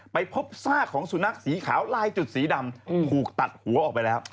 ไปพบซากของสุนัขสีขาวลายจุดสีดำถูกตัดหัวออกไปแล้ว